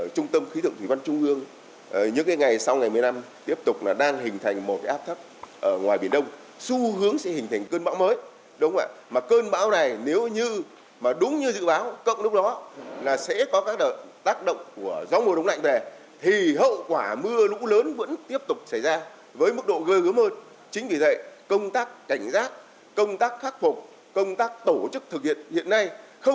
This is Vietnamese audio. công tác khắc phục công tác tổ chức thực hiện hiện nay không chỉ cho đợt này mà còn dự báo cho đợt ngày một mươi bốn một mươi năm trở đi tới đây